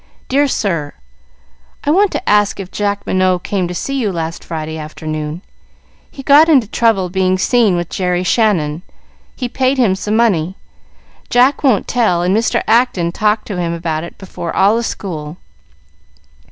"Dear Sir, I want to ask if Jack Minot came to see you last Friday afternoon. He got into trouble being seen with Jerry Shannon. He paid him some money. Jack won't tell, and Mr. Acton talked to him about it before all the school.